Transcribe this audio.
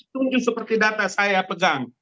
tunjuk seperti data saya pegang